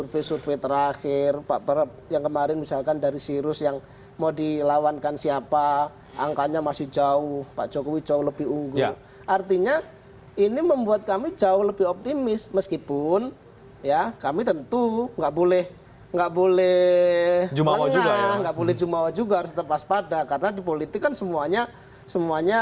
tetap bersama kami di primus